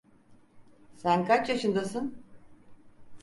Sen kaç yaşındasın?